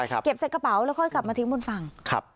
เก็บใส่กระเป๋าแล้วค่อยกลับมาทิ้งบนฝั่ง